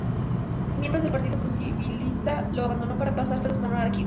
Miembro del Partido Posibilista, lo abandonó para pasarse a los monárquicos.